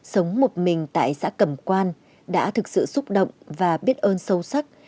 sống một mình tại xã cẩm quan đã thực sự xúc động và biết ơn sâu sắc